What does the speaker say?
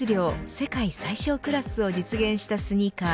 世界最小クラスを実現したスニーカー。